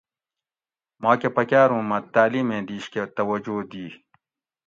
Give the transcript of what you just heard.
ماکہ پکاۤر اُوں مۤہ تعلیمیں دِیش کہ توجہ دی